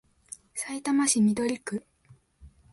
さいたま市緑区